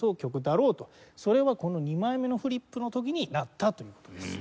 それはこの２枚目のフリップの時になったという事です。